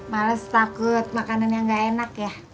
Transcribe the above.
males takut makanan yang gak enak ya